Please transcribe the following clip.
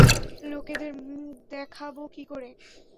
লোকেদের মুখ দেখাবো কী করে?